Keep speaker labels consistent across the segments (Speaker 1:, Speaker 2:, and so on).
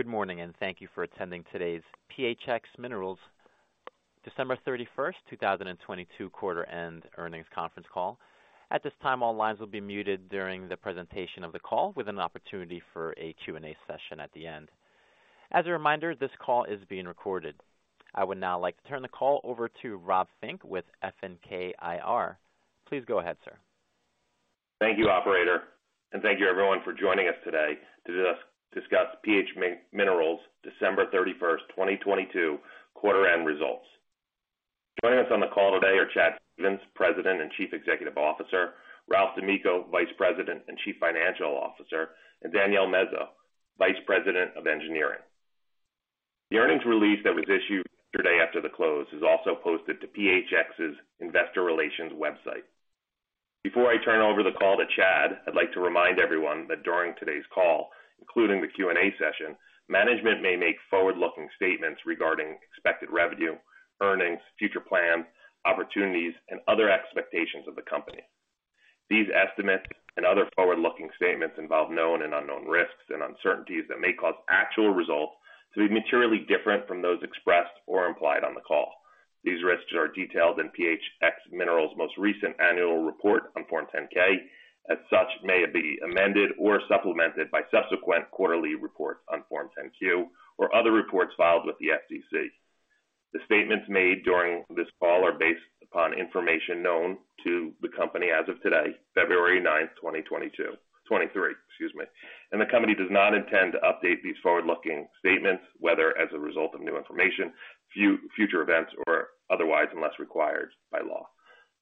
Speaker 1: Good morning, thank you for attending today's PHX Minerals December 31st, 2022 quarter end earnings conference call. At this time, all lines will be muted during the presentation of the call with an opportunity for a Q&A session at the end. As a reminder, this call is being recorded. I would now like to turn the call over to Rob Fink with FNK IR. Please go ahead, sir.
Speaker 2: Thank you, operator, and thank you everyone for joining us today to discuss PHX Minerals December 31st, 2022 quarter-end results. Joining us on the call today are Chad Stephens, President and Chief Executive Officer, Ralph D'Amico, Vice President and Chief Financial Officer, and Danielle Mezo, Vice President of Engineering. The earnings release that was issued yesterday after the close is also posted to PHX's Investor Relations website. Before I turn over the call to Chad, I'd like to remind everyone that during today's call, including the Q&A session, management may make forward-looking statements regarding expected revenue, earnings, future plans, opportunities, and other expectations of the company. These estimates and other forward-looking statements involve known and unknown risks and uncertainties that may cause actual results to be materially different from those expressed or implied on the call. These risks are detailed in PHX Minerals most recent annual report on Form 10-K, as such, may be amended or supplemented by subsequent quarterly reports on Form 10-Q or other reports filed with the SEC. The statements made during this call are based upon information known to the company as of today, February 9th, 2022. 2023, excuse me. The company does not intend to update these forward-looking statements, whether as a result of new information, future events, or otherwise, unless required by law.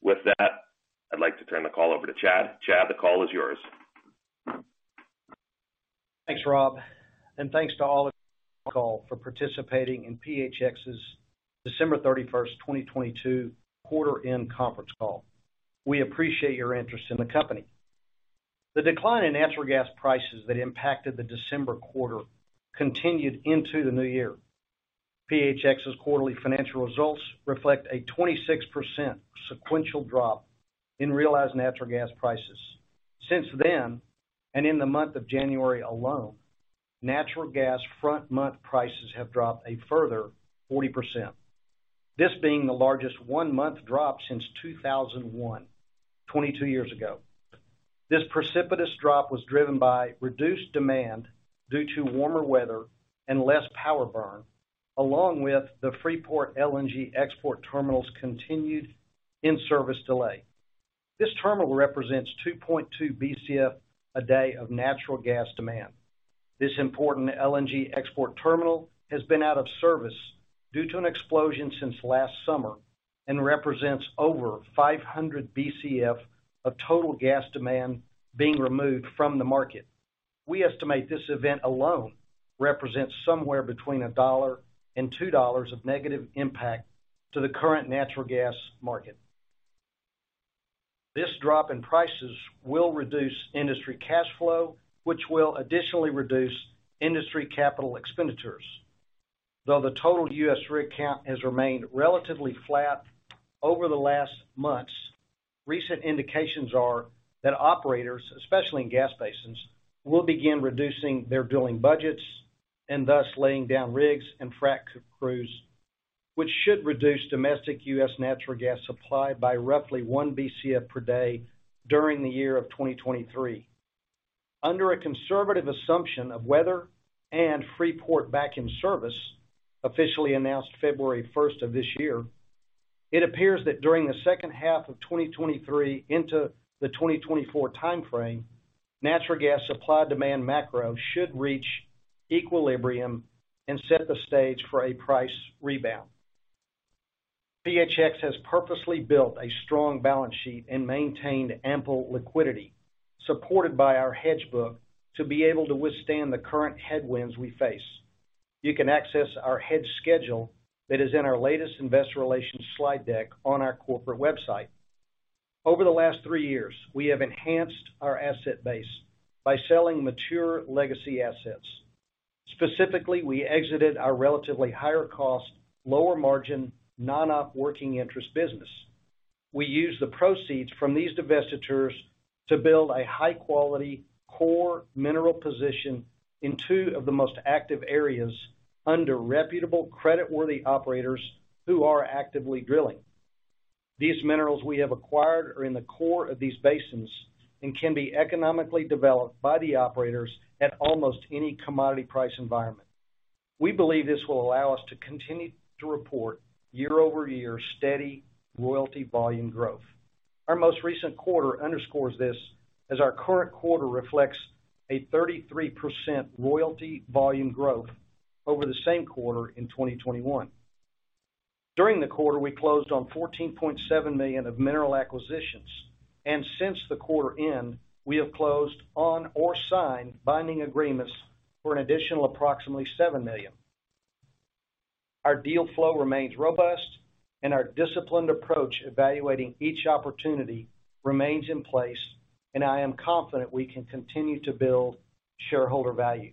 Speaker 2: With that, I'd like to turn the call over to Chad. Chad, the call is yours.
Speaker 3: Thanks, Rob, and thanks to all of you on the call for participating in PHX's December 31st, 2022 quarter-end conference call. We appreciate your interest in the company. The decline in natural gas prices that impacted the December quarter continued into the new year. PHX's quarterly financial results reflect a 26% sequential drop in realized natural gas prices. Since then, and in the month of January alone, natural gas front month prices have dropped a further 40%. This being the largest one-month drop since 2001, 22 years ago. This precipitous drop was driven by reduced demand due to warmer weather and less power burn, along with the Freeport LNG export terminal's continued in-service delay. This terminal represents 2.2 Bcf a day of natural gas demand. This important LNG export terminal has been out of service due to an explosion since last summer and represents over 500 Bcf of total gas demand being removed from the market. We estimate this event alone represents somewhere between $1 and $2 of negative impact to the current natural gas market. This drop in prices will reduce industry cash flow, which will additionally reduce industry capital expenditures. Though the total U.S. rig count has remained relatively flat over the last months, recent indications are that operators, especially in gas basins, will begin reducing their drilling budgets and thus laying down rigs and frac crews, which should reduce domestic U.S. natural gas supply by roughly 1 Bcf per day during the year of 2023. Under a conservative assumption of weather and Freeport back in service, officially announced February 1st of this year, it appears that during the second half of 2023 into the 2024 timeframe, natural gas supply demand macro should reach equilibrium and set the stage for a price rebound. PHX has purposely built a strong balance sheet and maintained ample liquidity supported by our hedge book to be able to withstand the current headwinds we face. You can access our hedge schedule that is in our latest investor relations slide deck on our corporate website. Over the last three years, we have enhanced our asset base by selling mature legacy assets. Specifically, we exited our relatively higher cost, lower margin, non-op working interest business. We use the proceeds from these divestitures to build a high-quality, core mineral position in two of the most active areas under reputable credit-worthy operators who are actively drilling. These minerals we have acquired are in the core of these basins and can be economically developed by the operators at almost any commodity price environment. We believe this will allow us to continue to report year-over-year steady royalty volume growth. Our most recent quarter underscores this as our current quarter reflects a 33% royalty volume growth over the same quarter in 2021. During the quarter, we closed on $14.7 million of mineral acquisitions, and since the quarter end, we have closed on or signed binding agreements for an additional approximately $7 million. Our deal flow remains robust and our disciplined approach evaluating each opportunity remains in place, and I am confident we can continue to build shareholder value.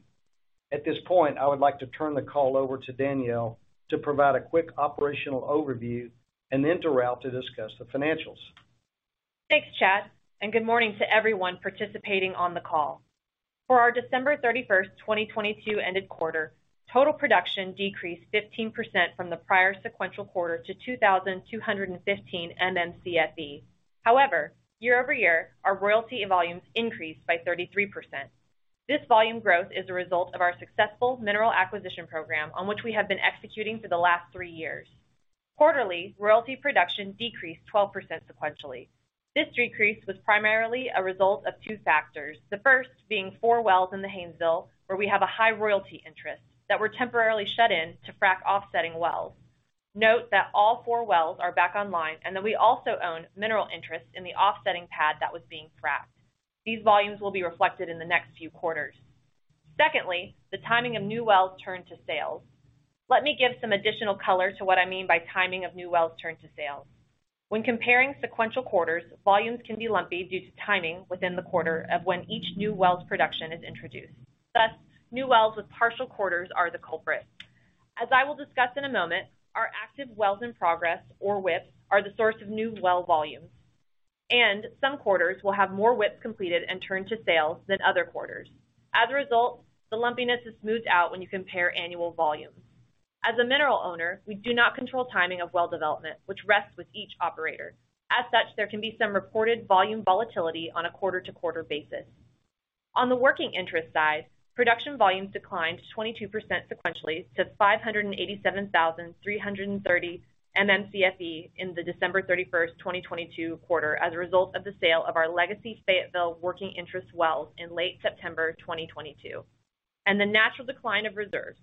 Speaker 3: At this point, I would like to turn the call over to Danielle to provide a quick operational overview and then to Ralph to discuss the financials.
Speaker 4: Thanks, Chad, and good morning to everyone participating on the call. For our December 31, 2022 ended quarter, total production decreased 15% from the prior sequential quarter to 2,215 MMcfe. However, year-over-year, our royalty volumes increased by 33%. This volume growth is a result of our successful mineral acquisition program, on which we have been executing for the last three years. Quarterly, royalty production decreased 12% sequentially. This decrease was primarily a result of two factors. The first being four wells in the Haynesville, where we have a high royalty interest that were temporarily shut in to frac offsetting wells. Note that all four wells are back online, and that we also own mineral interests in the offsetting pad that was being frac'd. These volumes will be reflected in the next few quarters. The timing of new wells turn to sales. Let me give some additional color to what I mean by timing of new wells turn to sales. When comparing sequential quarters, volumes can be lumpy due to timing within the quarter of when each new wells production is introduced, thus new wells with partial quarters are the culprit. As I will discuss in a moment, our active wells in progress, or WIP, are the source of new well volumes, and some quarters will have more WIP completed and turn to sales than other quarters. As a result, the lumpiness is smoothed out when you compare annual volumes. As a mineral owner, we do not control timing of well development, which rests with each operator. As such, there can be some reported volume volatility on a quarter-to-quarter basis. On the working interest side, production volumes declined 22% sequentially to 587,330 MMcfe in the December 31, 2022 quarter as a result of the sale of our legacy Fayetteville working interest wells in late September 2022, and the natural decline of reserves.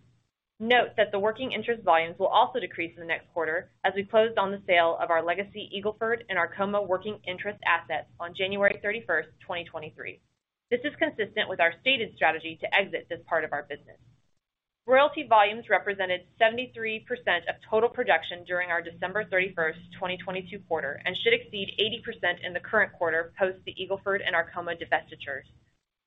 Speaker 4: Note that the working interest volumes will also decrease in the next quarter as we closed on the sale of our legacy Eagle Ford and our Arkoma working interest assets on January 31, 2023. This is consistent with our stated strategy to exit this part of our business. Royalty volumes represented 73% of total production during our December 31, 2022 quarter, and should exceed 80% in the current quarter post the Eagle Ford and our Arkoma divestitures.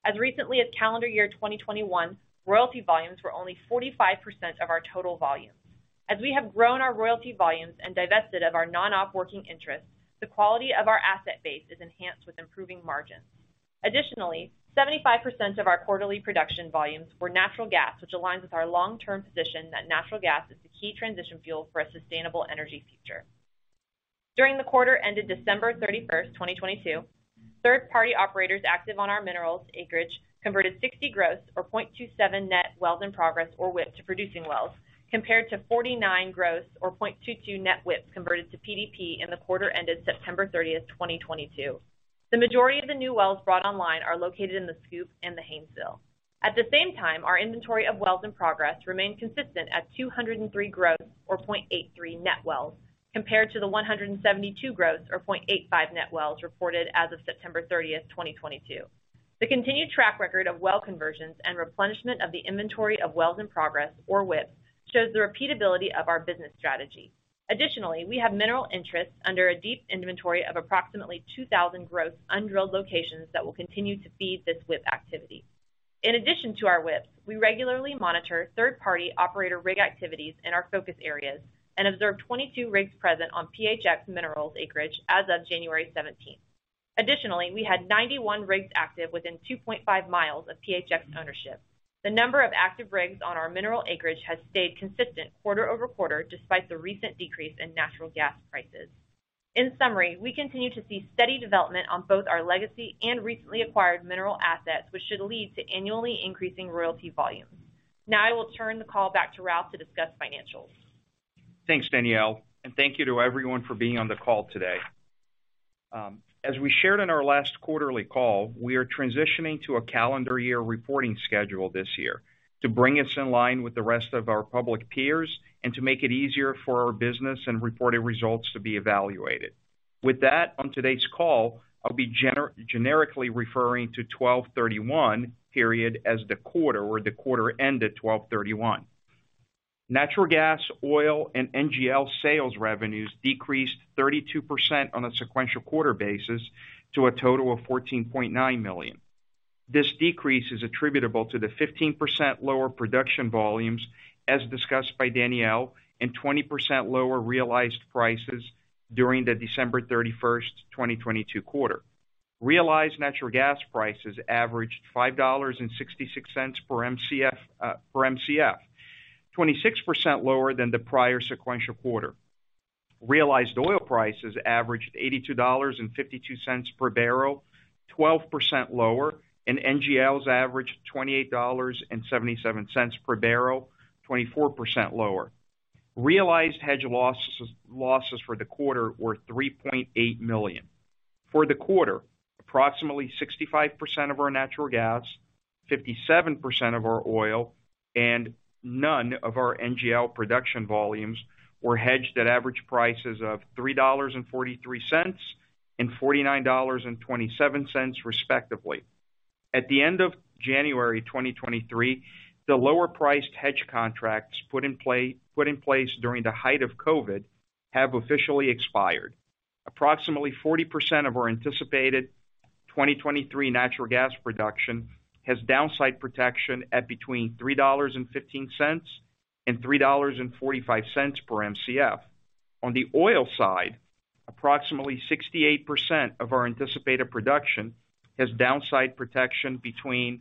Speaker 4: As recently as calendar year 2021, royalty volumes were only 45% of our total volumes. As we have grown our royalty volumes and divested of our non-op working interests, the quality of our asset base is enhanced with improving margins. Additionally, 75% of our quarterly production volumes were natural gas, which aligns with our long-term position that natural gas is the key transition fuel for a sustainable energy future. During the quarter ended December 31st, 2022, third party operators active on our minerals acreage converted 60 gross, or 0.27 net wells in progress, or WIP, to producing wells, compared to 49 gross or 0.22 net WIPs converted to PDP in the quarter ended September 30th, 2022. The majority of the new wells brought online are located in the SCOOP and the Haynesville. At the same time, our inventory of wells in progress remained consistent at 203 gross or 0.83 net wells, compared to the 172 gross or 0.85 net wells reported as of September 30th, 2022. The continued track record of well conversions and replenishment of the inventory of wells in progress, or WIP, shows the repeatability of our business strategy. Additionally, we have mineral interests under a deep inventory of approximately 2,000 gross undrilled locations that will continue to feed this WIP activity. In addition to our WIPs, we regularly monitor third party operator rig activities in our focus areas and observe 22 rigs present on PHX Minerals acreage as of January 17th. Additionally, we had 91 rigs active within 2.5 miles of PHX ownership. The number of active rigs on our mineral acreage has stayed consistent quarter-over-quarter, despite the recent decrease in natural gas prices. In summary, we continue to see steady development on both our legacy and recently acquired mineral assets, which should lead to annually increasing royalty volumes. I will turn the call back to Ralph to discuss financials.
Speaker 5: Thanks, Danielle, and thank you to everyone for being on the call today. As we shared in our last quarterly call, we are transitioning to a calendar year reporting schedule this year to bring us in line with the rest of our public peers and to make it easier for our business and reported results to be evaluated. With that, on today's call, I'll be generically referring to 12/31 period as the quarter where the quarter ended 12/31. Natural gas, oil, and NGL sales revenues decreased 32% on a sequential quarter basis to a total of $14.9 million. This decrease is attributable to the 15% lower production volumes, as discussed by Danielle, and 20% lower realized prices during the December 31, 2022 quarter. Realized natural gas prices averaged $5.66 per Mcf, 26% lower than the prior sequential quarter. Realized oil prices averaged $82.52 per barrel, 12% lower, and NGLs averaged $28.77 per barrel, 24% lower. Realized hedge losses for the quarter were $3.8 million. For the quarter, approximately 65% of our natural gas, 57% of our oil, and none of our NGL production volumes were hedged at average prices of $3.43 and $49.27, respectively. At the end of January 2023, the lower priced hedge contracts put in place during the height of COVID have officially expired. Approximately 40% of our anticipated 2023 natural gas production has downside protection at between $3.15 and $3.45 per Mcf. On the oil side, approximately 68% of our anticipated production has downside protection between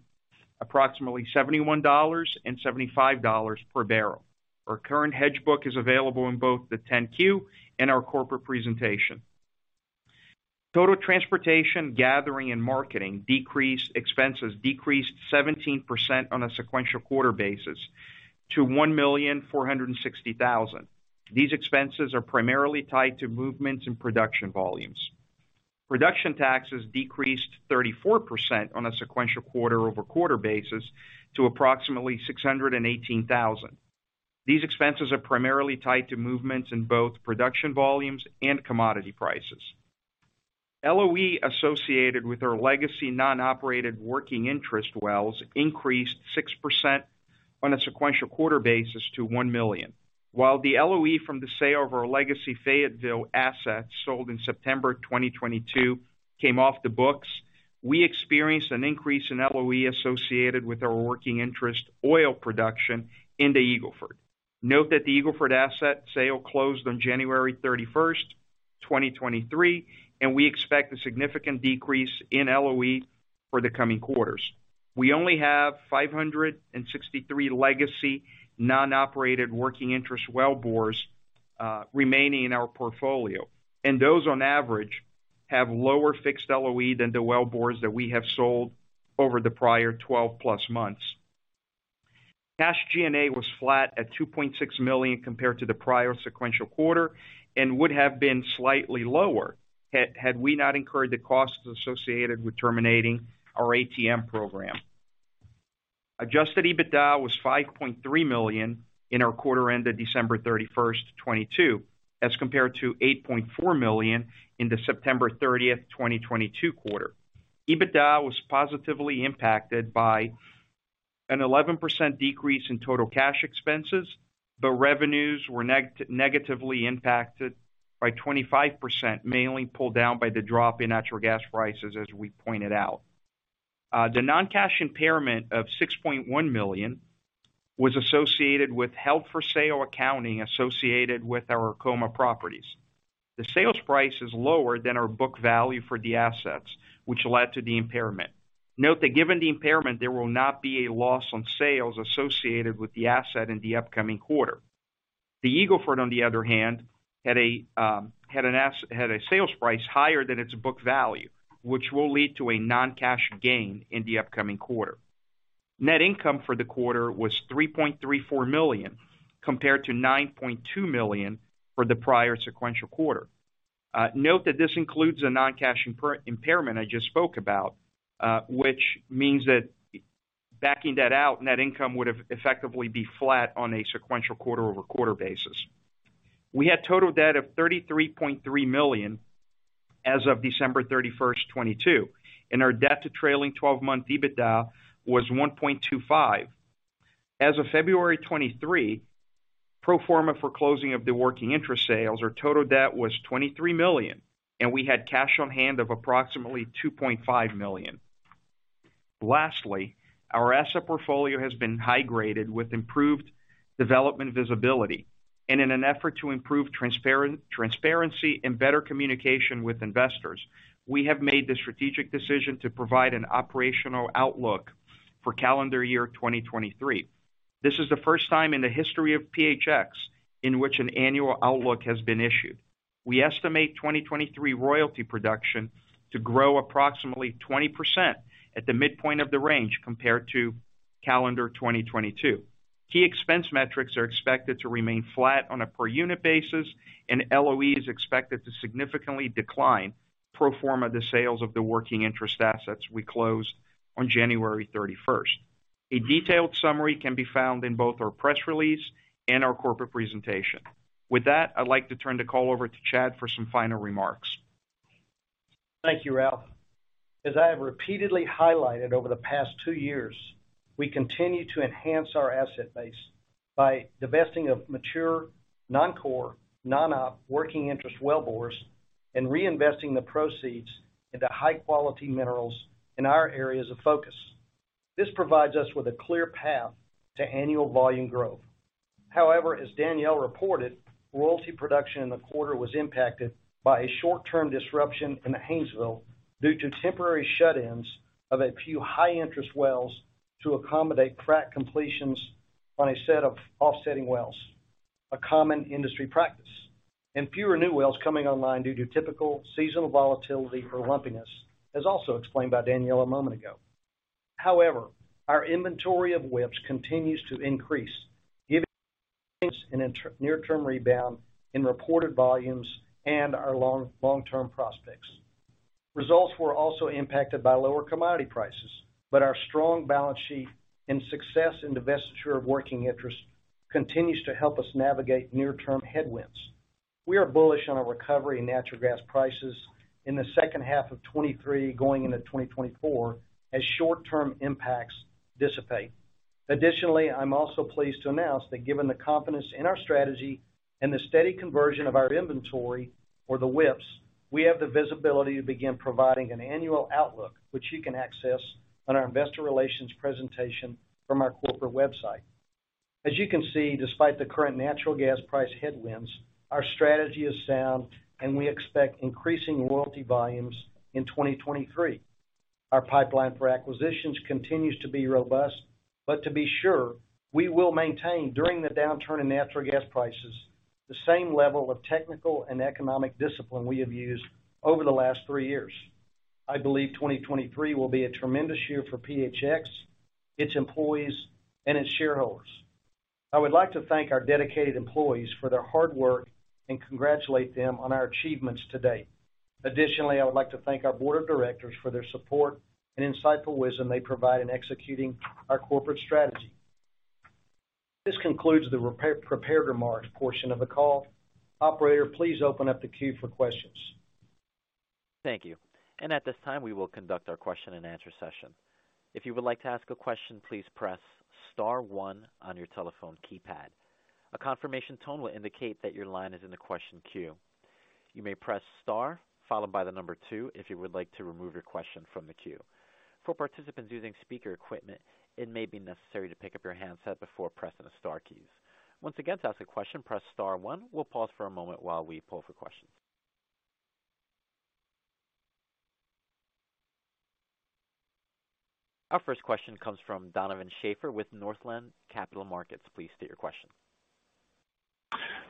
Speaker 5: approximately $71 and $75 per barrel. Our current hedge book is available in both the 10-Q and our corporate presentation. Total transportation, gathering and marketing expenses decreased 17% on a sequential quarter basis to $1,460,000. These expenses are primarily tied to movements in production volumes. Production taxes decreased 34% on a sequential quarter-over-quarter basis to approximately $618,000. These expenses are primarily tied to movements in both production volumes and commodity prices. LOE associated with our legacy non-operated working interest wells increased 6% on a sequential quarter basis to $1 million. While the LOE from the sale of our legacy Fayetteville assets sold in September 2022 came off the books, we experienced an increase in LOE associated with our working interest oil production in the Eagle Ford. Note that the Eagle Ford asset sale closed on January 31st, 2023, we expect a significant decrease in LOE for the coming quarters. We only have 563 legacy non-operated working interest wellbores remaining in our portfolio, those on average have lower fixed LOE than the wellbores that we have sold over the prior 12-plus months. Cash G&A was flat at $2.6 million compared to the prior sequential quarter would have been slightly lower had we not incurred the costs associated with terminating our ATM program. Adjusted EBITDA was $5.3 million in our quarter ended December 31, 2022, as compared to $8.4 million in the September 30, 2022 quarter. EBITDA was positively impacted by an 11% decrease in total cash expenses. The revenues were negatively impacted by 25%, mainly pulled down by the drop in natural gas prices, as we pointed out. The non-cash impairment of $6.1 million was associated with held for sale accounting associated with our Arkoma properties. The sales price is lower than our book value for the assets, which led to the impairment. Note that given the impairment, there will not be a loss on sales associated with the asset in the upcoming quarter. The Eagle Ford, on the other hand, had a sales price higher than its book value, which will lead to a non-cash gain in the upcoming quarter. Net income for the quarter was $3.34 million, compared to $9.2 million for the prior sequential quarter. Note that this includes a non-cash impairment I just spoke about, which means that backing that out, net income would have effectively be flat on a sequential quarter-over-quarter basis. We had total debt of $33.3 million as of December 31, 2022, and our debt to trailing 12-month EBITDA was 1.25. As of February 23, pro forma for closing of the working interest sales, our total debt was $23 million, and we had cash on hand of approximately $2.5 million. Lastly, our asset portfolio has been high graded with improved development visibility. In an effort to improve transparency and better communication with investors, we have made the strategic decision to provide an operational outlook for calendar year 2023. This is the first time in the history of PHX in which an annual outlook has been issued. We estimate 2023 royalty production to grow approximately 20% at the midpoint of the range compared to calendar 2022. Key expense metrics are expected to remain flat on a per unit basis, and LOE is expected to significantly decline pro forma the sales of the working interest assets we closed on January 31st. A detailed summary can be found in both our press release and our corporate presentation. With that, I'd like to turn the call over to Chad for some final remarks.
Speaker 3: Thank you, Ralph. As I have repeatedly highlighted over the past two years, we continue to enhance our asset base by divesting of mature, non-core, non-op working interest wellbores and reinvesting the proceeds into high quality minerals in our areas of focus. This provides us with a clear path to annual volume growth. As Danielle reported, royalty production in the quarter was impacted by a short-term disruption in the Haynesville due to temporary shut-ins of a few high interest wells to accommodate frac completions on a set of offsetting wells, a common industry practice, and fewer new wells coming online due to typical seasonal volatility or lumpiness, as also explained by Danielle a moment ago. Our inventory of WIP continues to increase, giving us in a near-term rebound in reported volumes and our long-term prospects. Results were also impacted by lower commodity prices. Our strong balance sheet and success in divestiture of working interest continues to help us navigate near-term headwinds. We are bullish on a recovery in natural gas prices in the second half of 2023 going into 2024 as short-term impacts dissipate. Additionally, I'm also pleased to announce that given the confidence in our strategy and the steady conversion of our inventory or the WIPs, we have the visibility to begin providing an annual outlook, which you can access on our investor relations presentation from our corporate website. As you can see, despite the current natural gas price headwinds, our strategy is sound, and we expect increasing royalty volumes in 2023. Our pipeline for acquisitions continues to be robust. But to be sure, we will maintain, during the downturn in natural gas prices, the same level of technical and economic discipline we have used over the last three years. I believe 2023 will be a tremendous year for PHX, its employees, and its shareholders. I would like to thank our dedicated employees for their hard work and congratulate them on our achievements to date. Additionally, I would like to thank our board of directors for their support and insightful wisdom they provide in executing our corporate strategy. This concludes the prepared remarks portion of the call. Operator, please open up the queue for questions.
Speaker 1: Thank you. At this time, we will conduct our question-and-answer session. If you would like to ask a question, please press star one on your telephone keypad. A confirmation tone will indicate that your line is in the question queue. You may press star followed by two if you would like to remove your question from the queue. For participants using speaker equipment, it may be necessary to pick up your handset before pressing the star keys. Once again, to ask a question, press star one. We'll pause for a moment while we pull for questions. Our first question comes from Donovan Schafer with Northland Capital Markets. Please state your question.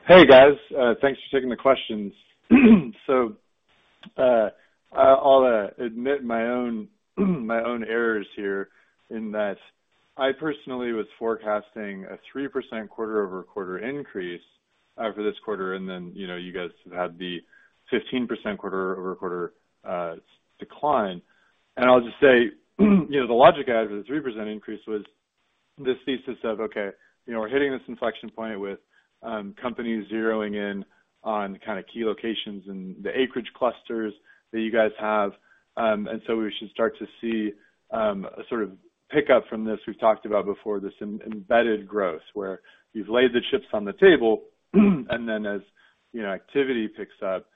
Speaker 6: Hey, guys. Thanks for taking the questions. I'll admit my own errors here in that I personally was forecasting a 3% quarter-over-quarter increase for this quarter, and then, you know, you guys have had the 15% quarter-over-quarter decline. I'll just say, you know, the logic as the 3% increase was this thesis of, okay, you know, we're hitting this inflection point with companies zeroing in on kind of key locations and the acreage clusters that you guys have. We should start to see a sort of pickup from this. We've talked about before this embedded growth, where you've laid the chips on the table, and then as, you know, activity picks up.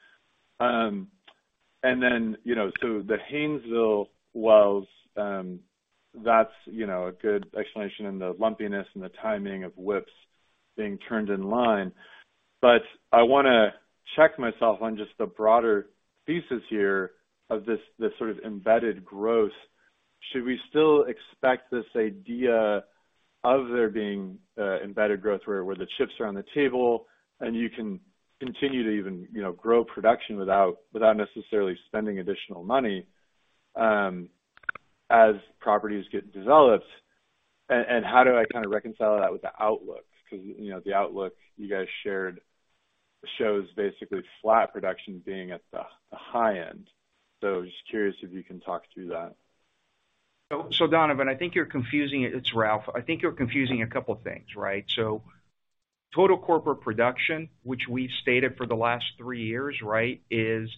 Speaker 6: You know, the Haynesville wells, that's, you know, a good explanation in the lumpiness and the timing of WIP being turned in line. I wanna check myself on just the broader thesis here of this sort of embedded growth. Should we still expect this idea of there being embedded growth where the chips are on the table and you can continue to even, you know, grow production without necessarily spending additional money as properties get developed? How do I kinda reconcile that with the outlook? 'Cause, you know, the outlook you guys shared shows basically flat production being at the high end. Just curious if you can talk through that.
Speaker 5: Donovan, it's Ralph. I think you're confusing a couple things, right? Total corporate production, which we've stated for the last three years, right, is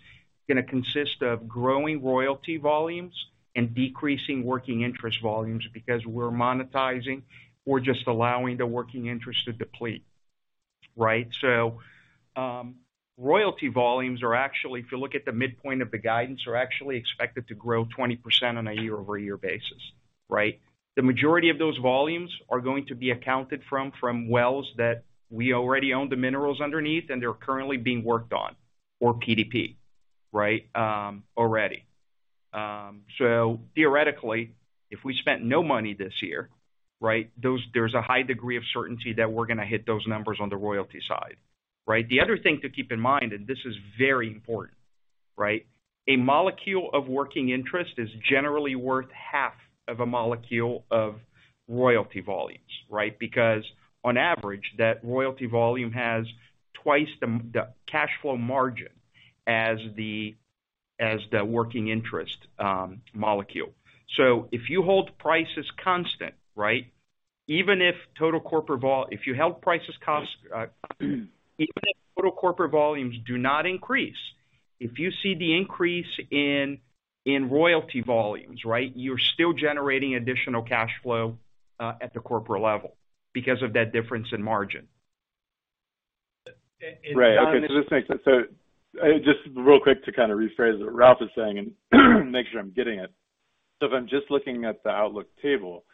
Speaker 5: gonna consist of growing royalty volumes and decreasing working interest volumes because we're monetizing or just allowing the working interest to deplete, right? Royalty volumes are actually, if you look at the midpoint of the guidance, are actually expected to grow 20% on a year-over-year basis, right? The majority of those volumes are going to be accounted from wells that we already own the minerals underneath, and they're currently being worked on or PDP, right, already. Theoretically, if we spent no money this year, right, there's a high degree of certainty that we're gonna hit those numbers on the royalty side, right? The other thing to keep in mind, this is very important, right? A molecule of working interest is generally worth half of a molecule of royalty volumes, right? Because on average, that royalty volume has twice the cash flow margin as the working interest molecule. If you hold prices constant, right? Even if total corporate volumes do not increase, if you see the increase in royalty volumes, right, you're still generating additional cash flow at the corporate level because of that difference in margin.
Speaker 6: Right. Okay. This makes it... Just real quick to kinda rephrase what Ralph is saying and make sure I'm getting it. If I'm just looking at the outlook table,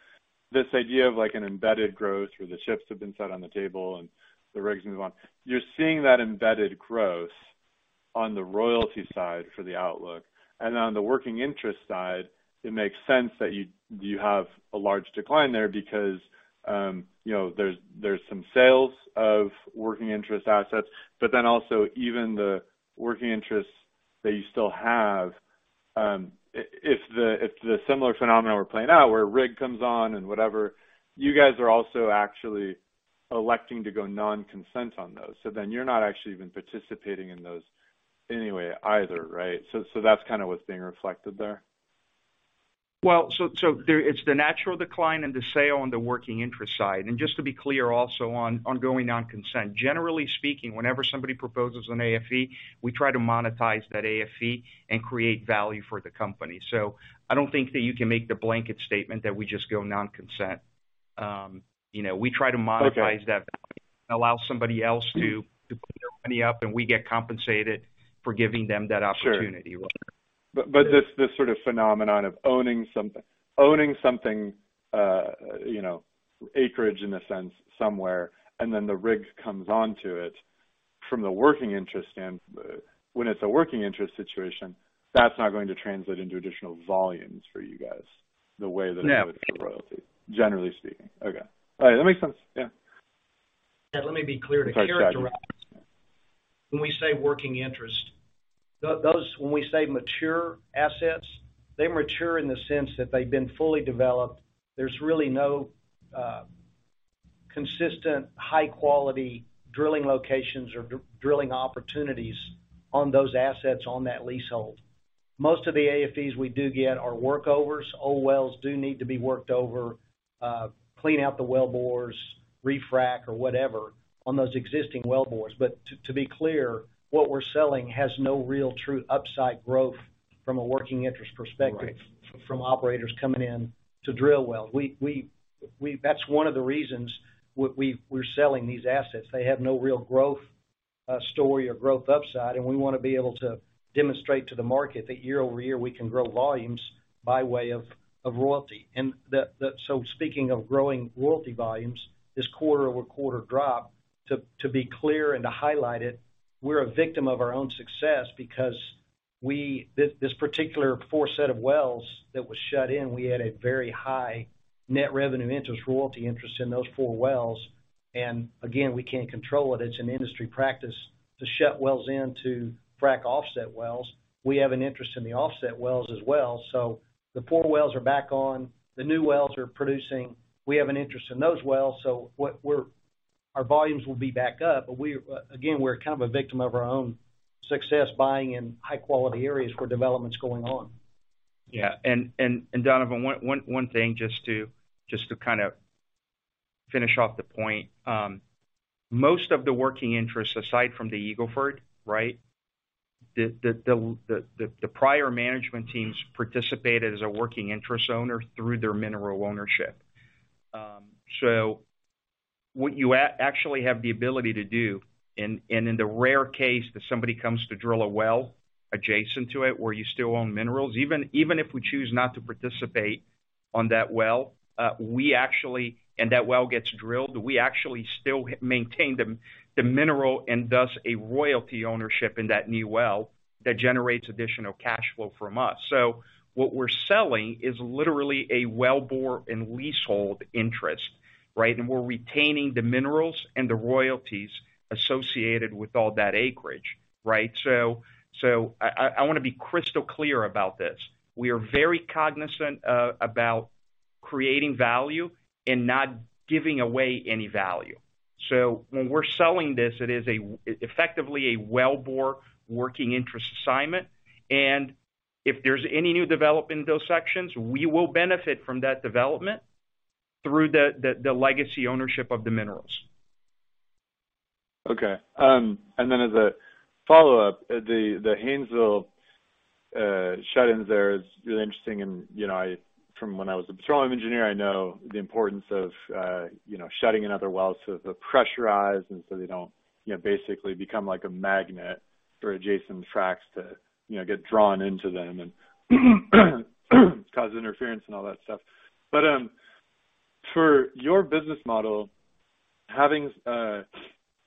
Speaker 6: this idea of, like, an embedded growth where the chips have been set on the table and the rigs move on, you're seeing that embedded growth on the royalty side for the outlook. On the working interest side, it makes sense that you have a large decline there because, you know, there's some sales of working interest assets. Also even the working interests that you still have, if the similar phenomenon were playing out where rig comes on and whatever, you guys are also actually electing to go non-consent on those. You're not actually even participating in those anyway either, right? That's kinda what's being reflected there.
Speaker 5: Well, so there it's the natural decline in the sale on the working interest side. Just to be clear also on going non-consent. Generally speaking, whenever somebody proposes an AFE, we try to monetize that AFE and create value for the company. I don't think that you can make the blanket statement that we just go non-consent. you know, we try to monetize that value. Allow somebody else to put their money up, and we get compensated for giving them that opportunity.
Speaker 6: Sure. but this sort of phenomenon of owning something, you know, acreage in a sense somewhere, and then the rigs comes onto it from the working interest and, when it's a working interest situation, that's not going to translate into additional volumes for you guys the way that.
Speaker 5: No.
Speaker 6: It would for royalty, generally speaking. Okay. All right. That makes sense. Yeah.
Speaker 5: Yeah. Let me be clear to characterize. When we say working interest, when we say mature assets, they mature in the sense that they've been fully developed. There's really no consistent high quality drilling locations or drilling opportunities on those assets on that leasehold. Most of the AFEs we do get are workovers. Old wells do need to be worked over, clean out the wellbores, re-frac or whatever on those existing wellbores. To be clear, what we're selling has no real true upside growth from a working interest perspective.
Speaker 6: Right.
Speaker 5: from operators coming in to drill wells. We. That's one of the reasons we're selling these assets. They have no real growth story or growth upside, and we wanna be able to demonstrate to the market that year-over-year, we can grow volumes by way of royalty. Speaking of growing royalty volumes, this quarter-over-quarter drop, to be clear and to highlight it, we're a victim of our own success because we, this particular four set of wells that was shut in, we had a very high net revenue interest royalty interest in those four wells. Again, we can't control it. It's an industry practice to shut wells in to frac offset wells. We have an interest in the offset wells as well. The four wells are back on. The new wells are producing. We have an interest in those wells. Our volumes will be back up. Again, we're kind of a victim of our own success buying in high-quality areas where development's going on. Yeah. Donovan, one thing just to kind of finish off the point. Most of the working interests aside from the Eagle Ford, right? The prior management teams participated as a working interest owner through their mineral ownership. What you actually have the ability to do, in the rare case that somebody comes to drill a well adjacent to it, where you still own minerals, even if we choose not to participate on that well, we actually... That well gets drilled, we actually still maintain the mineral and thus a royalty ownership in that new well that generates additional cash flow from us. What we're selling is literally a wellbore and leasehold interest, right. We're retaining the minerals and the royalties associated with all that acreage, right. I wanna be crystal clear about this. We are very cognizant about creating value and not giving away any value. When we're selling this, it is effectively a wellbore working interest assignment. If there's any new development in those sections, we will benefit from that development through the legacy ownership of the minerals.
Speaker 6: Okay. As a follow-up, the Haynesville shut-ins there is really interesting and, you know, From when I was a petroleum engineer, I know the importance of, you know, shutting in other wells so they're pressurized, and so they don't, you know, basically become like a magnet for adjacent fracs to, you know, get drawn into them and cause interference and all that stuff. For your business model, having,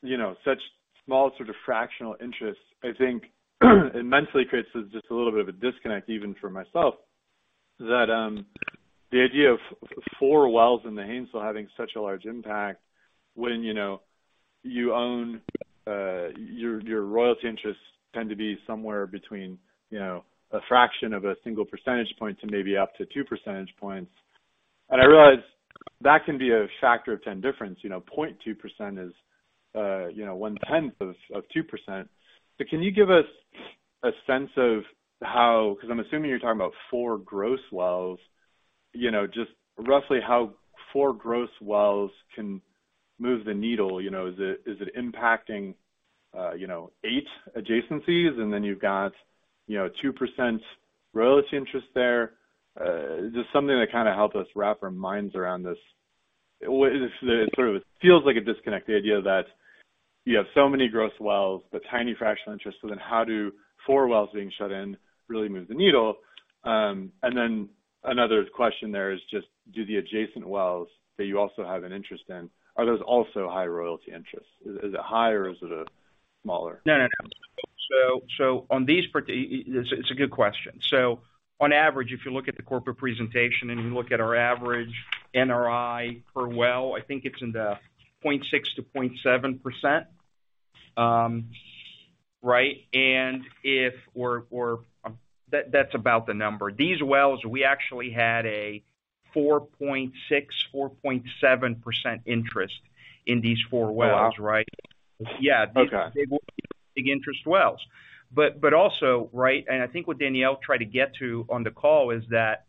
Speaker 6: you know, such small sort of fractional interest, I think it mentally creates just a little bit of a disconnect, even for myself, that the idea of four wells in the Haynesville having such a large impact when, you know, you own, your royalty interests tend to be somewhere between, you know, a fraction of a single percentage point to maybe up to two percentage points. I realize that can be a factor of 10 difference, you know, 0.2% is, you know, one-tenth of 2%. Can you give us a sense of how. 'Cause I'm assuming you're talking about four gross wells, you know, just roughly how four gross wells can move the needle, you know. Is it impacting, you know, eight adjacencies and then you've got, you know, 2% royalty interest there? Is this something that kinda help us wrap our minds around this? It sort of feels like a disconnect, the idea that you have so many gross wells with tiny fractional interest, so then how do four wells being shut in really move the needle? Another question there is just do the adjacent wells that you also have an interest in, are those also high royalty interests? Is it high or is it a smaller?
Speaker 5: No, no. It's a good question. On average, if you look at the corporate presentation and you look at our average NRI per well, I think it's in the 0.6% to 0.7%. Right? That's about the number. These wells, we actually had a 4.6%, 4.7% interest in these four wells, right?
Speaker 6: Wow.
Speaker 5: Yeah.
Speaker 6: Okay.
Speaker 5: These were big interest wells. Also, right, and I think what Danielle tried to get to on the call is that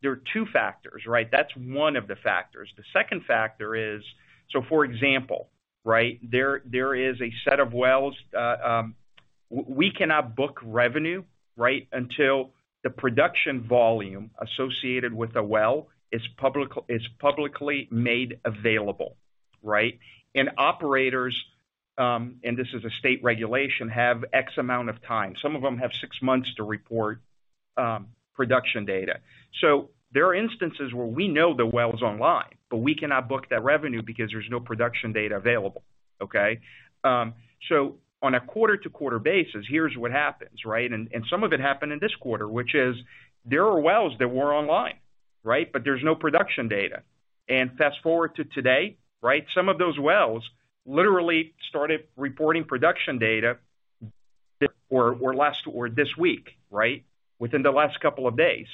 Speaker 5: there are two factors, right? That's one of the factors. The second factor is... For example, right? There is a set of wells, We cannot book revenue, right, until the production volume associated with a well is publicly made available, right? Operators, and this is a state regulation, have X amount of time. Some of them have six months to report production data. There are instances where we know the well is online, but we cannot book that revenue because there's no production data available. Okay? On a quarter-to-quarter basis, here's what happens, right? Some of it happened in this quarter, which is there are wells that were online, right, but there's no production data. Fast-forward to today, right, some of those wells literally started reporting production data or this week, right, within the last couple of days.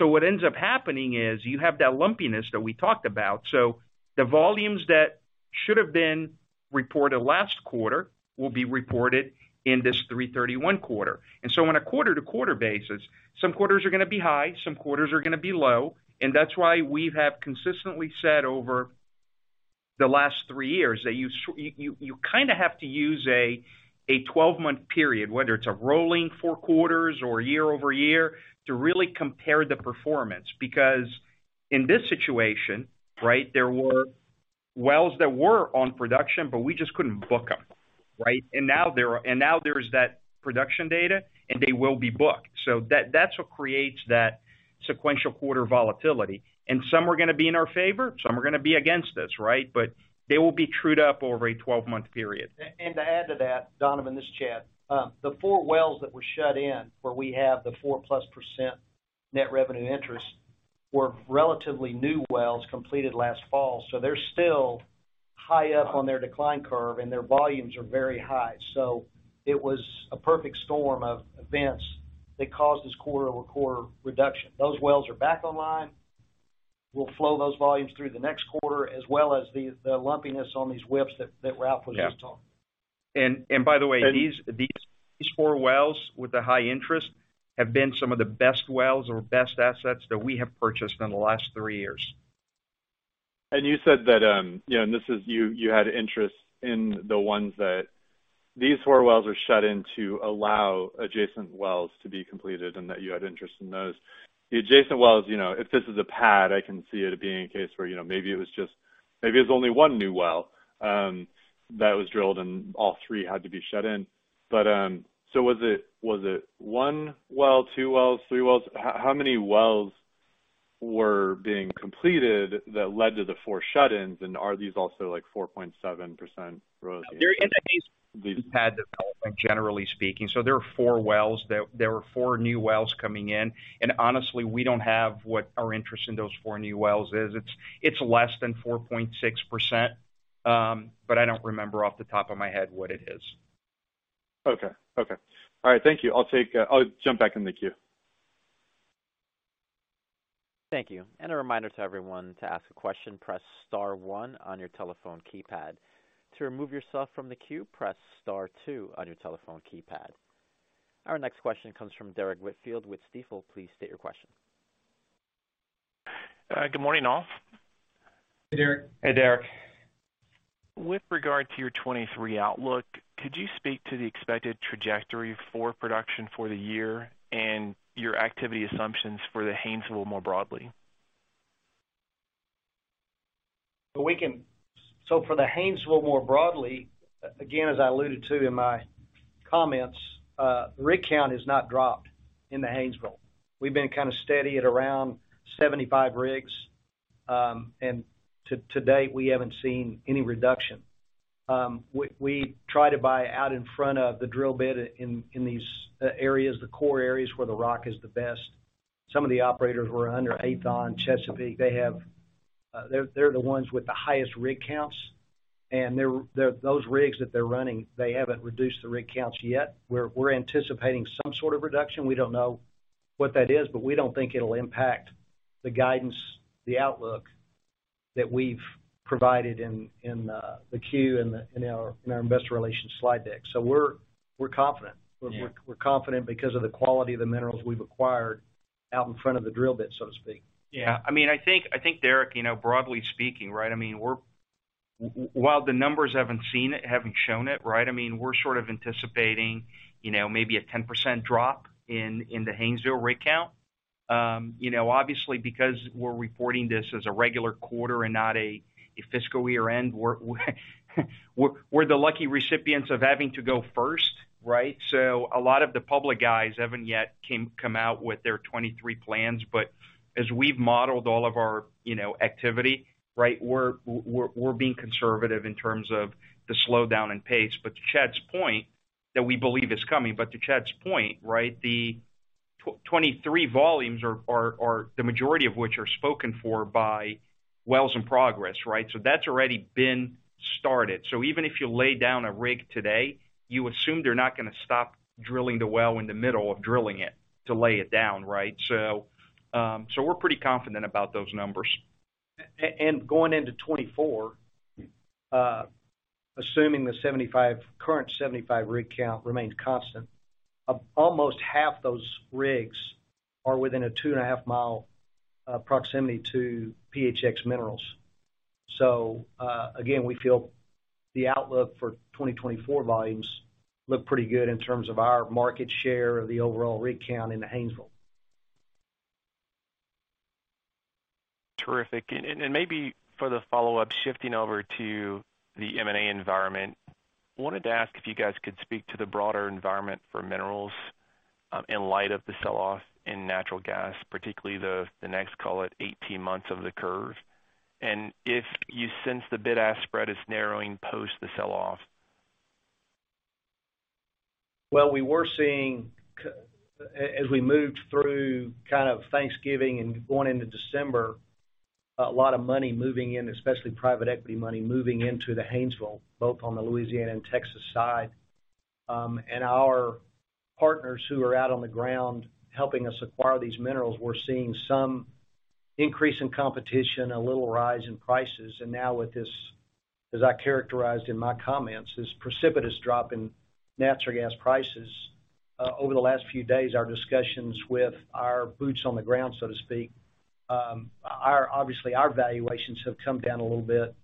Speaker 5: What ends up happening is you have that lumpiness that we talked about. The volumes that should have been reported last quarter will be reported in this 3/31 quarter. On a quarter-to-quarter basis, some quarters are going to be high, some quarters are going to be low, and that's why we have consistently said over the last three years that you kind of have to use a 12-month period, whether it's a rolling four quarters or year-over-year, to really compare the performance. Because in this situation, right, there were wells that were on production, but we just couldn't book them, right? Now there's that production data, and they will be booked. That's what creates that sequential quarter volatility. Some are gonna be in our favor, some are gonna be against us, right? They will be trued up over a 12-month period.
Speaker 3: To add to that, Donovan, this is Chad. The four wells that were shut in, where we have the 4%+ net revenue interest, were relatively new wells completed last fall. They're still high up on their decline curve, and their volumes are very high. It was a perfect storm of events that caused this quarter-over-quarter reduction. Those wells are back online. We'll flow those volumes through the next quarter, as well as the lumpiness on these WIPs that Ralph was just talking about.
Speaker 5: Yeah. By the way, these four wells with the high interest have been some of the best wells or best assets that we have purchased in the last three years.
Speaker 6: You said that, you know, and this is you had interest in the ones that these four wells are shut in to allow adjacent wells to be completed and that you had interest in those. The adjacent wells, you know, if this is a pad, I can see it being a case where, you know, maybe it was only one new well that was drilled and all three had to be shut in. Was it one well, two wells, three wells? How many wells were being completed that led to the four shut-ins, and are these also like 4.7% royalty interests?
Speaker 5: They're in a pad development, generally speaking. There were four new wells coming in, and honestly, we don't have what our interest in those four new wells is. It's less than 4.6%, but I don't remember off the top of my head what it is.
Speaker 6: Okay. Okay. All right. Thank you. I'll jump back in the queue.
Speaker 1: Thank you. A reminder to everyone, to ask a question, press star one on your telephone keypad. To remove yourself from the queue, press star two on your telephone keypad. Our next question comes from Derrick Whitfield with Stifel. Please state your question.
Speaker 7: Good morning, all.
Speaker 3: Hey, Derrick.
Speaker 5: Hey, Derrick.
Speaker 7: With regard to your 2023 outlook, could you speak to the expected trajectory for production for the year and your activity assumptions for the Haynesville more broadly?
Speaker 3: For the Haynesville more broadly, again, as I alluded to in my comments, rig count has not dropped in the Haynesville. We've been kinda steady at around 75 rigs, to date, we haven't seen any reduction. We try to buy out in front of the drill bit in these areas, the core areas where the rock is the best. Some of the operators were under Aethon, Chesapeake. They have, they're the ones with the highest rig counts, they're those rigs that they're running, they haven't reduced the rig counts yet. We're anticipating some sort of reduction. We don't know what that is, we don't think it'll impact the guidance, the outlook that we've provided in the Q and in our investor relations slide deck. We're confident.
Speaker 5: Yeah.
Speaker 3: We're confident because of the quality of the minerals we've acquired out in front of the drill bit, so to speak.
Speaker 5: Yeah. I mean, I think, Derrick, you know, broadly speaking, right, I mean, while the numbers haven't shown it, right, I mean, we're sort of anticipating, you know, maybe a 10% drop in the Haynesville rig count. You know, obviously, because we're reporting this as a regular quarter and not a fiscal year-end, we're the lucky recipients of having to go first, right? A lot of the public guys haven't yet come out with their 23 plans. As we've modeled all of our, you know, activity, right, we're being conservative in terms of the slowdown in pace. To Chad's point. That we believe is coming. To Chad's point, right, the 23 volumes are the majority of which are spoken for by wells in progress, right? That's already been started. Even if you lay down a rig today, you assume they're not gonna stop drilling the well in the middle of drilling it to lay it down, right? We're pretty confident about those numbers.
Speaker 3: Going into 2024, assuming the current 75 rig count remains constant, almost half those rigs are within a 2.5 mile proximity to PHX Minerals. Again, we feel the outlook for 2024 volumes look pretty good in terms of our market share of the overall rig count in the Haynesville.
Speaker 7: Terrific. Maybe for the follow-up, shifting over to the M&A environment, wanted to ask if you guys could speak to the broader environment for minerals, in light of the sell-off in natural gas, particularly the next, call it 18 months of the curve. If you sense the bid-ask spread is narrowing post the sell-off.
Speaker 3: Well, we were seeing as we moved through kind of Thanksgiving and going into December, a lot of money moving in, especially private equity money moving into the Haynesville, both on the Louisiana and Texas side. Our partners who are out on the ground helping us acquire these minerals, we're seeing some increase in competition, a little rise in prices. Now with this, as I characterized in my comments, this precipitous drop in natural gas prices over the last few days, our discussions with our boots on the ground, so to speak, obviously, our valuations have come down a little bit.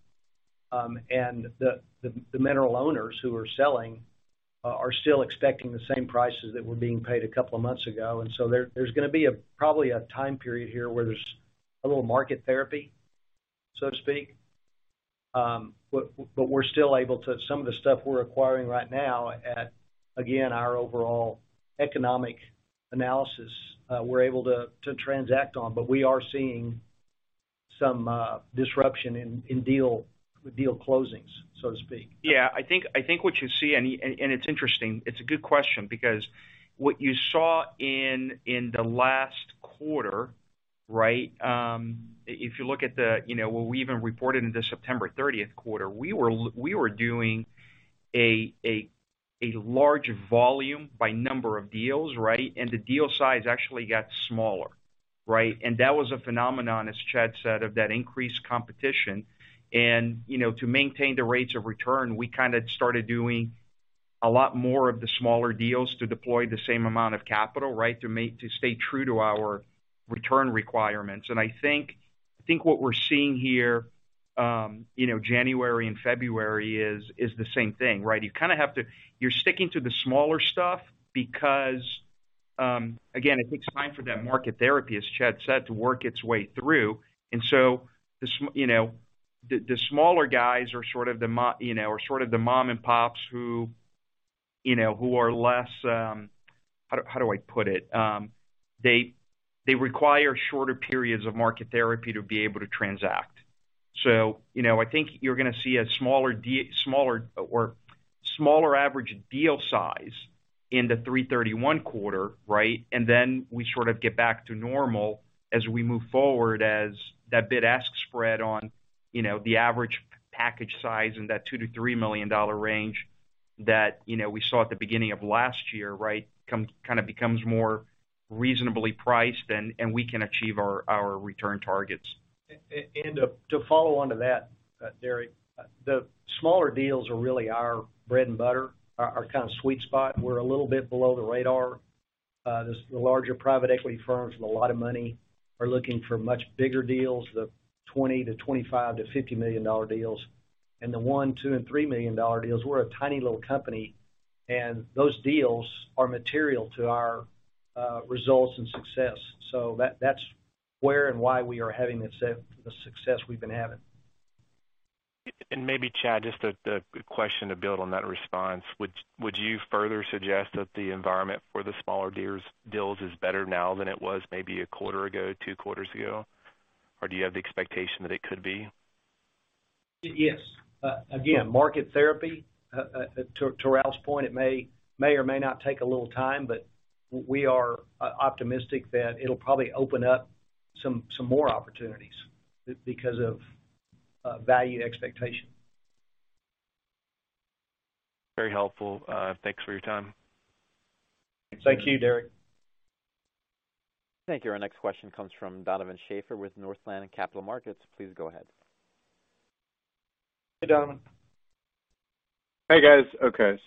Speaker 3: The mineral owners who are selling are still expecting the same prices that were being paid a couple of months ago. There's gonna be a probably a time period here where there's a little market therapy, so to speak. We're still able to. Some of the stuff we're acquiring right now at, again, our overall economic analysis, we're able to transact on. We are seeing some disruption in deal, with deal closings, so to speak.
Speaker 5: I think what you see, and it's interesting, it's a good question because what you saw in the last quarter, right? If you look at the, you know, what we even reported in the September 30th quarter, we were doing a large volume by number of deals, right? The deal size actually got smaller, right? That was a phenomenon, as Chad said, of that increased competition. You know, to maintain the rates of return, we kinda started doing a lot more of the smaller deals to deploy the same amount of capital, right? To stay true to our return requirements. I think what we're seeing here, you know, January and February is the same thing, right? You're sticking to the smaller stuff because again, it takes time for that market therapy, as Chad said, to work its way through. you know, the smaller guys are sort of the you know, are sort of the mom-and-pops who, you know, who are less How do I put it? they require shorter periods of market therapy to be able to transact. you know, I think you're gonna see a smaller average deal size in the 3/31 quarter, right? we sort of get back to normal as we move forward, as that bid-ask spread on, you know, the average package size in that $2 million-$3 million range that, you know, we saw at the beginning of last year, right? Kinda becomes more reasonably priced and we can achieve our return targets.
Speaker 3: To follow on to that, Derrick, the smaller deals are really our bread and butter, our kinda sweet spot. We're a little bit below the radar. The larger private equity firms with a lot of money are looking for much bigger deals, the $20 million to $25 million to $50 million deals, and the $1 million, $2 million, and $3 million deals. We're a tiny little company, and those deals are material to our results and success. That's where and why we are having the success we've been having.
Speaker 7: maybe, Chad, just a question to build on that response. Would you further suggest that the environment for the smaller deals is better now than it was maybe a quarter ago, two quarters ago? Or do you have the expectation that it could be?
Speaker 3: Yes. Again, market therapy, to Ralph's point, it may or may not take a little time, but we are optimistic that it'll probably open up some more opportunities because of value expectation.
Speaker 7: Very helpful. Thanks for your time.
Speaker 3: Thank you, Derrick.
Speaker 1: Thank you. Our next question comes from Donovan Schafer with Northland Capital Markets. Please go ahead.
Speaker 3: Hey, Donovan.
Speaker 6: Hey, guys. Okay,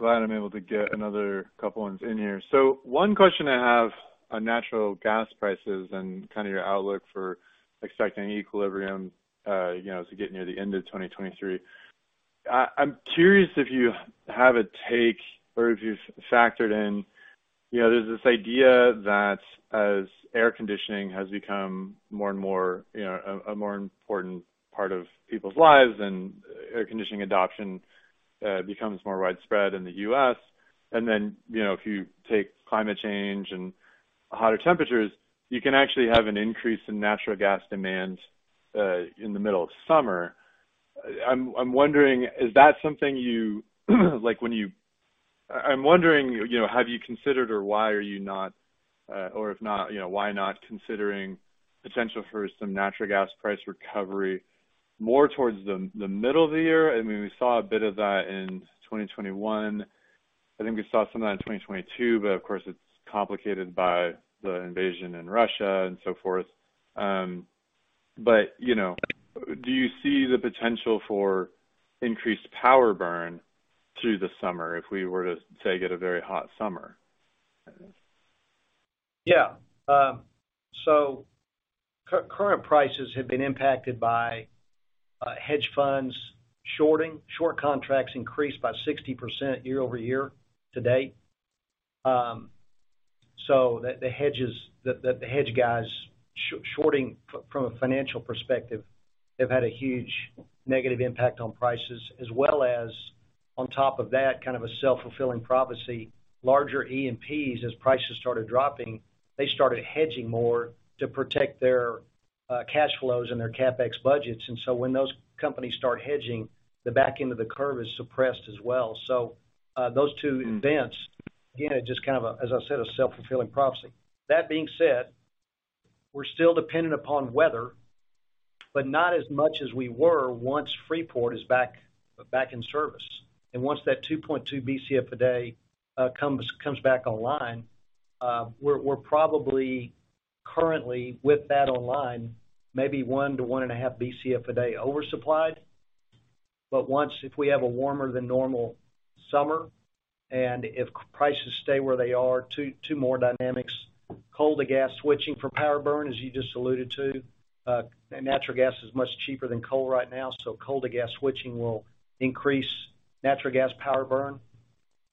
Speaker 6: glad I'm able to get another couple ones in here. One question I have on natural gas prices and kinda your outlook for expecting equilibrium, you know, as we get near the end of 2023. I'm curious if you have a take or if you've factored in, you know, there's this idea that as air conditioning has become more and more, you know, a more important part of people's lives and air conditioning adoption becomes more widespread in the U.S. You know, if you take climate change and hotter temperatures, you can actually have an increase in natural gas demand in the middle of summer. I'm wondering, is that something you like when you... I'm wondering, you know, have you considered or why are you not, or if not, you know, why not considering potential for some natural gas price recovery more towards the middle of the year? I mean, we saw a bit of that in 2021. I think we saw some of that in 2022, but of course, it's complicated by the invasion in Russia and so forth. You know, do you see the potential for increased power burn through the summer if we were to, say, get a very hot summer?
Speaker 3: Yeah. Current prices have been impacted by hedge funds shorting. Short contracts increased by 60% year-over-year to date. The hedge guys shorting from a financial perspective have had a huge negative impact on prices, as well as on top of that, kind of a self-fulfilling prophecy, larger E&Ps, as prices started dropping, they started hedging more to protect their cash flows and their CapEx budgets. When those companies start hedging, the back end of the curve is suppressed as well. Those two events, again, it just kind of, as I said, a self-fulfilling prophecy. That being said, we're still dependent upon weather, but not as much as we were once Freeport is back in service. Once that 2.2 Bcf a day comes back online, we're probably currently with that online, maybe 1 Bcf-1.5 Bcf a day oversupplied. If we have a warmer than normal summer, and if prices stay where they are, two more dynamics. Coal to gas switching for power burn, as you just alluded to. Natural gas is much cheaper than coal right now, so coal to gas switching will increase natural gas power burn.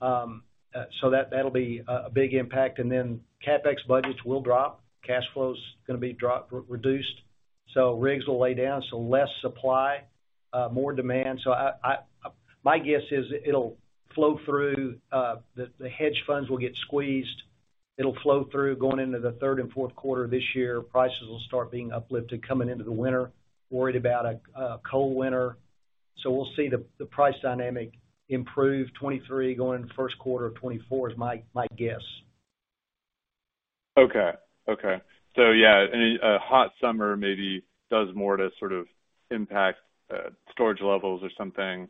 Speaker 3: That'll be a big impact. CapEx budgets will drop. Cash flow's gonna be reduced, rigs will lay down. Less supply, more demand. My guess is it'll flow through, the hedge funds will get squeezed. It'll flow through going into the third and fourth quarter this year. Prices will start being uplifted coming into the winter. Worried about a cold winter. We'll see the price dynamic improve 2023, going into first quarter of 2024 is my guess.
Speaker 6: Okay. Okay. Yeah, any hot summer maybe does more to sort of impact storage levels or something,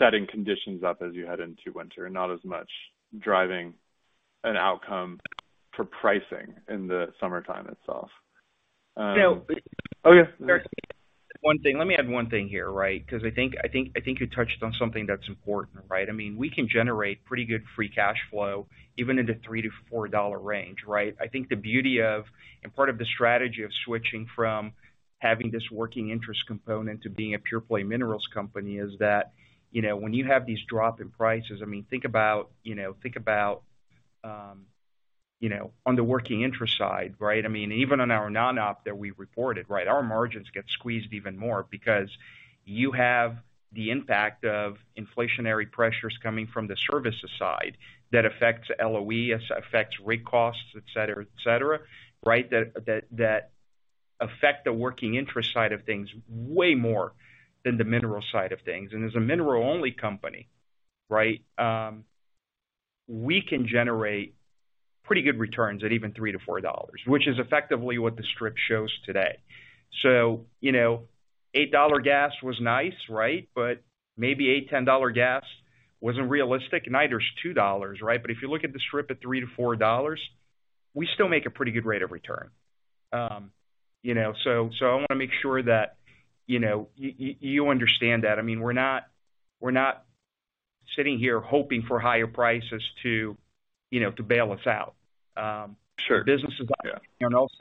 Speaker 6: setting conditions up as you head into winter, not as much driving an outcome for pricing in the summertime itself.
Speaker 5: You know.
Speaker 6: Okay.
Speaker 5: One thing. Let me add one thing here, right? 'Cause I think you touched on something that's important, right? I mean, we can generate pretty good free cash flow even in the $3-$4 range, right? I think the beauty of, and part of the strategy of switching from having this working interest component to being a pure play minerals company is that, you know, when you have these drop in prices, I mean, think about, you know, on the working interest side, right? I mean, even on our non-op that we reported, right, our margins get squeezed even more because you have the impact of inflationary pressures coming from the services side that affects LOE, affects rig costs, et cetera, right? That affect the working interest side of things way more than the mineral side of things. As a mineral only company, right, we can generate pretty good returns at even $3-$4, which is effectively what the strip shows today. You know, $8 gas was nice, right? Maybe $8-$10 gas wasn't realistic, neither is $2, right? If you look at the strip at $3-$4, we still make a pretty good rate of return. You know, so I wanna make sure that, you know, you understand that. I mean, we're not, we're not sitting here hoping for higher prices to, you know, to bail us out.
Speaker 6: Sure.
Speaker 5: Business is up, and also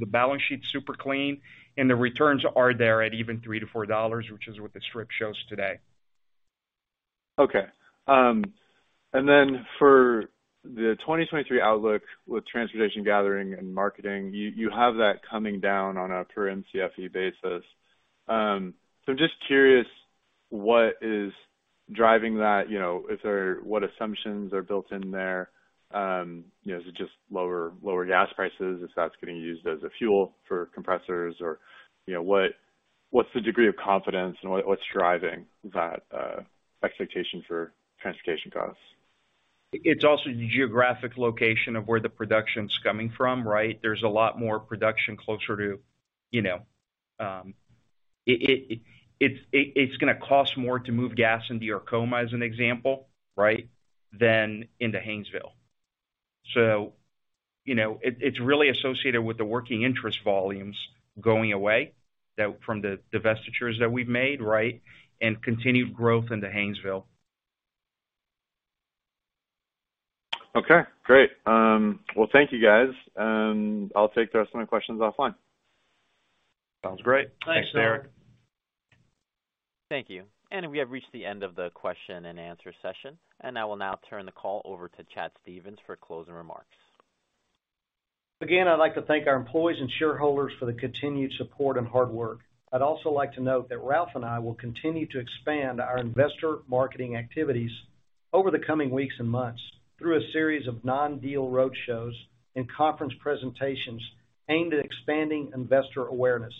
Speaker 5: the balance sheet's super clean, and the returns are there at even $3-$4, which is what the strip shows today.
Speaker 6: Okay. For the 2023 outlook with transportation, gathering, and marketing, you have that coming down on a per Mcfe basis. Just curious, what is driving that? You know, what assumptions are built in there? You know, is it just lower gas prices if that's getting used as a fuel for compressors? Or, you know, what's the degree of confidence and what's driving that expectation for transportation costs?
Speaker 5: It's also the geographic location of where the production's coming from, right? There's a lot more production closer to, you know, it's gonna cost more to move gas into Arkoma, as an example, right, than into Haynesville. You know, it's really associated with the working interest volumes going away, from the divestitures that we've made, right, and continued growth into Haynesville.
Speaker 6: Okay, great. Well, thank you guys. I'll take the rest of my questions offline.
Speaker 3: Sounds great.
Speaker 5: Thanks.
Speaker 6: Thanks, Eric.
Speaker 1: Thank you. And we have reached the end of the question and answer session, and I will now turn the call over to Chad Stephens for closing remarks.
Speaker 3: Again, I'd like to thank our employees and shareholders for the continued support and hard work. I'd also like to note that Ralph and I will continue to expand our investor marketing activities over the coming weeks and months through a series of non-deal roadshows and conference presentations aimed at expanding investor awareness.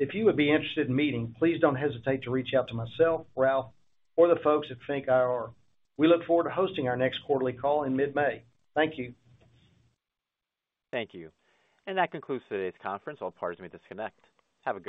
Speaker 3: If you would be interested in meeting, please don't hesitate to reach out to myself, Ralph, or the folks at FNK IR. We look forward to hosting our next quarterly call in mid-May. Thank you.
Speaker 1: Thank you. That concludes today's conference. All parties may disconnect. Have a good night.